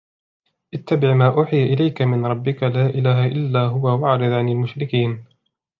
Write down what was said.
اتَّبِعْ مَا أُوحِيَ إِلَيْكَ مِنْ رَبِّكَ لَا إِلَهَ إِلَّا هُوَ وَأَعْرِضْ عَنِ الْمُشْرِكِينَ